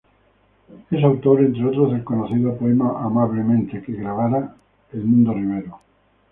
Es autor, entre otros del conocido poema "Amablemente", que grabara Edmundo Rivero.